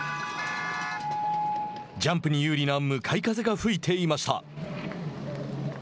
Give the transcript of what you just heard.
ジャンプに有利な向かい風が吹いていました。